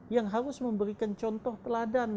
yang harus memberikan contoh teladan